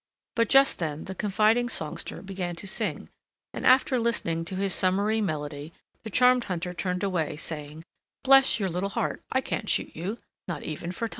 But just then the confiding songster began to sing, and after listening to his summery melody the charmed hunter turned away, saying, "Bless your little heart, I can't shoot you, not even for Tom."